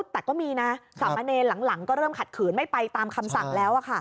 แต่ก็มีนะสามะเนรหลังก็เริ่มขัดขืนไม่ไปตามคำสั่งแล้ว